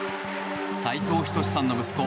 斉藤仁さんの息子